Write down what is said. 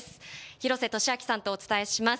廣瀬俊朗さんとお伝えします。